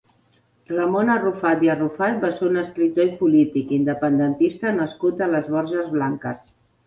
Ramon Arrufat i Arrufat va ser un escriptor i polític independentista nascut a les Borges Blanques.